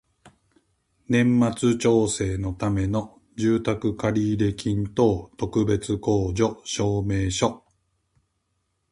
三度目の正直